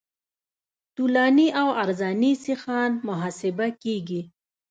طولاني او عرضاني سیخان محاسبه کیږي